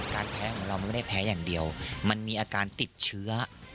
แพ้ของเรามันไม่ได้แพ้อย่างเดียวมันมีอาการติดเชื้อ